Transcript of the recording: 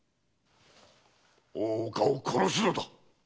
大岡を殺すのだ！